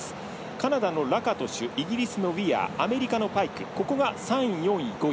カナダのラカトシュイギリスのウィアーアメリカのパイクここが３位、４位、５位。